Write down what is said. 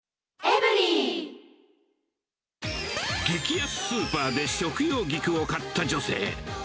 激安スーパーで食用菊を買った女性。